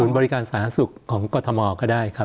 บริการสาธารณสุขของกรทมก็ได้ครับ